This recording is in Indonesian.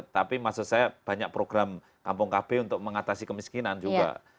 tapi maksud saya banyak program kampung kb untuk mengatasi kemiskinan juga